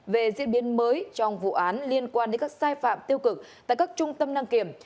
về diễn biến mới trong vụ án liên quan đến các sai phạm tiêu cực tại các trung tâm đăng kiểm